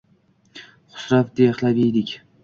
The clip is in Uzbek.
Xusrav Dehlaviydek